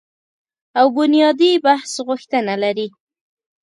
او بنیادي بحث غوښتنه لري